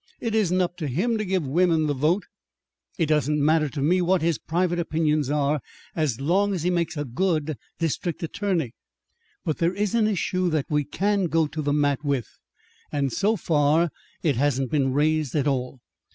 It isn't up to him to give women the vote. It doesn't matter to me what his private opinions are, as long as he makes a good district attorney!' But there is an issue that we can go to the mat with, and so far it hasn't been raised at all.